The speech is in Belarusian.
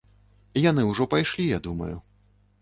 Яны ўжо пайшлі, я думаю.